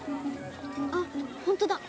あほんとだ。